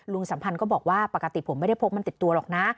สัมพันธ์ก็บอกว่าปกติผมไม่ได้พกมันติดตัวหรอกนะ